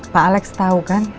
pak alex tahu kan